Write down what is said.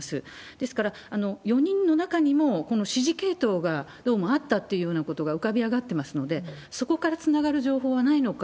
ですから、４人の中にもこの指示系統がどうもあったというようなことが浮かび上がってますので、そこからつながる情報はないのか。